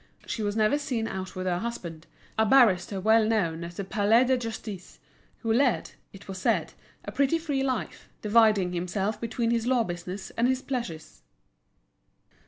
She was never seen out with her husband, a barrister well known at the Palais de Justice, who led, it was said, a pretty free life, dividing himself between his law business and his pleasures.